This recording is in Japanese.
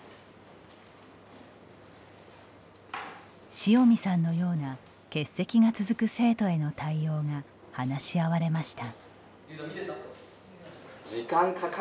塩見さんのような欠席が続く生徒への対応が話し合われました。